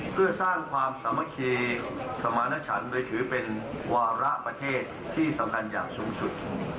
เพื่อสร้างความสามัคคีสมารณชันโดยถือเป็นวาระประเทศที่สำคัญอย่างสูงสุด